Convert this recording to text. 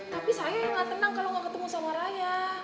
tapi saya yang gak tenang kalo gak ketemu sama raya